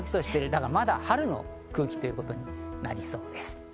だからまだ春の空気ということになりそうです。